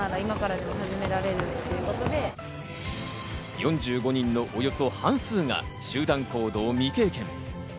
４５人のおよそ半数が集団行動未経験。